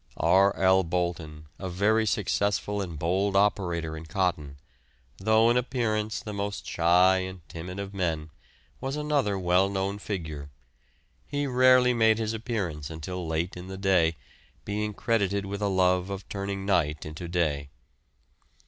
R. L. Bolton, a very successful and bold operator in cotton, though in appearance the most shy and timid of men was another well known figure; he rarely made his appearance until late in the day, being credited with a love of turning night into day.